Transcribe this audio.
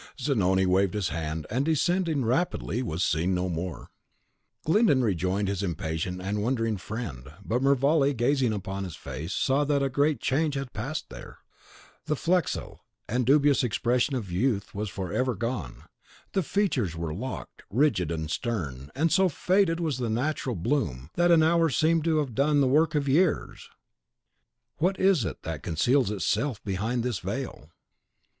Zanoni waved his hand, and, descending rapidly, was seen no more. Glyndon rejoined his impatient and wondering friend; but Mervale, gazing on his face, saw that a great change had passed there. The flexile and dubious expression of youth was forever gone. The features were locked, rigid, and stern; and so faded was the natural bloom, that an hour seemed to have done the work of years. CHAPTER 3.XII. Was ist's Das hinter diesem Schleier sich verbirgt? "Das Verschleierte Bild zu Sais." (What is it that conceals itself behind this veil?)